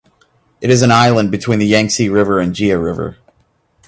It is an island between the Yangtze River and Jia River.